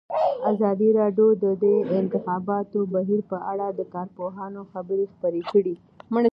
ازادي راډیو د د انتخاباتو بهیر په اړه د کارپوهانو خبرې خپرې کړي.